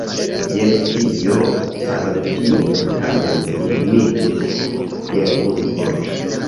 Je tio parodio tamen limiĝis je unu voĉo.